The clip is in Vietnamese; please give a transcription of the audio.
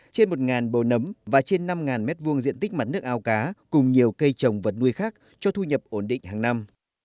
trên một bồ nấm và trên năm m hai diện tích mặt nước ao cá cùng nhiều cây trồng vật nuôi khác cho thu nhập ổn định hàng năm